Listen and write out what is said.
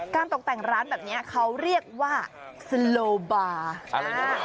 การตกแต่งร้านแบบนี้เขาเรียกว่าสโลบาร์